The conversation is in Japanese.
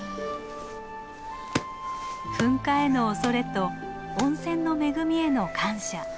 噴火への恐れと温泉の恵みへの感謝。